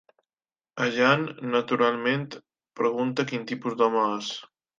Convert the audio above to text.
Allan, naturalment, pregunta quin tipus d'home és.